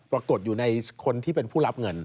ปรากฏอยู่ในคนที่เป็นผู้รับเงิน